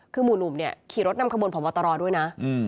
คือหมู่หนุ่มเนี่ยขี่รถนำขบวนพบตรด้วยนะ